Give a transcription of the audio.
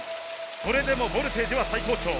それでもボルテージは最高潮。